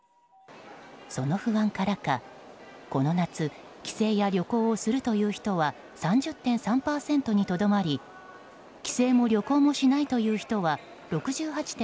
その不安からかこの夏帰省や旅行をするという人は３０．３％にとどまり帰省も旅行もしないという人は６８．８％。